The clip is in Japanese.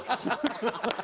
ハハハハ！